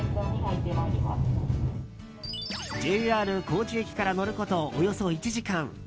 ＪＲ高知駅から乗ることおよそ１時間。